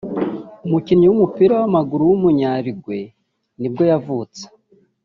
umukinnyi w’umupira w’amaguru w’umunya-Uruguay nibwo yavutse